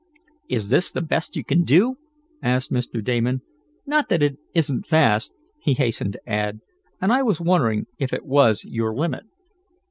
"Is this the best you can do?" asked Mr. Damon. "Not that it isn't fast," he hastened to add, "and I was wondering if it was your limit."